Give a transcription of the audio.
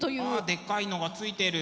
でかいのがついてる！